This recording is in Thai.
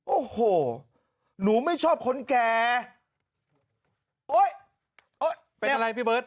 โอ้โหหนูไม่ชอบคนแก่โอ๊ยโอ๊ยเป็นอะไรพี่เบิร์ต